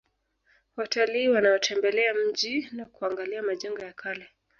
Watalii wanaotembelea mji na kuangalia majengo ya kale